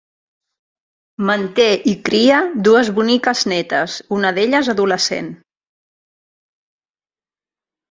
Manté i cria dues boniques nétes, una d'elles adolescent.